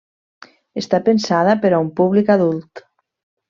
Està pensada per a un públic adult.